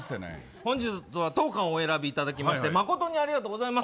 本日は当館をお選びいただきましてまことにありがとうございます。